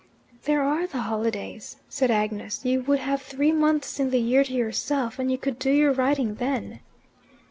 "There are the holidays," said Agnes. "You would have three months in the year to yourself, and you could do your writing then."